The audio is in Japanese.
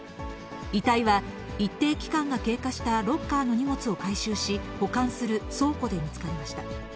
遺体は、一定期間が経過したロッカーの荷物を回収し、保管する倉庫で見つかりました。